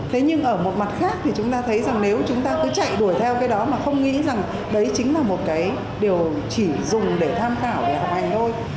thế nhưng ở một mặt khác thì chúng ta thấy rằng nếu chúng ta cứ chạy đuổi theo cái đó mà không nghĩ rằng đấy chính là một cái điều chỉ dùng để tham khảo để học hành thôi